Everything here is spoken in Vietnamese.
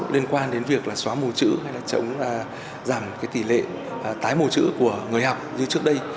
liên quan đến việc là xóa mù chữ hay là chống giảm cái tỷ lệ tái mù chữ của người học như trước đây